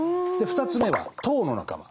２つ目は糖の仲間。